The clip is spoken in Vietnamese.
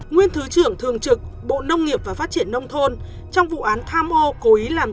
nguyên thứ trưởng thường trực bộ nông nghiệp và phát triển nông thôn trong vụ án tham ô cố ý làm